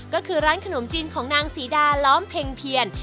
ก็คือร้านขนมจีนของนางศรีดาล้อมเพ็งเพียร